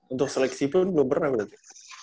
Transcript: untuk seleksi pun belum pernah berarti